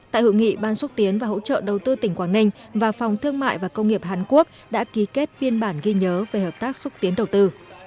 tại hội nghị ban xuất tiến và hỗ trợ đầu tư tỉnh quảng ninh và phòng thương mại và công nghiệp hàn quốc đã ký kết biên bản ghi nhớ về hợp tác xúc tiến đầu tư